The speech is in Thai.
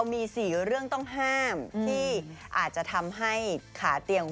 ไม่ใช่